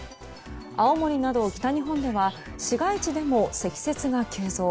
青森など北日本では市街地でも積雪が急増。